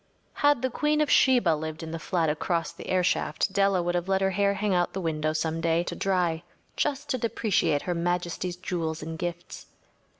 Had the queen of Sheba lived in the flat across the airshaft, Della would have let her hair hang out the window some day to dry just to depreciate Her Majesty’s jewels and gifts.